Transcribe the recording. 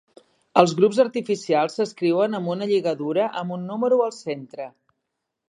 Els grups artificials s'escriuen amb una lligadura amb un número al centre.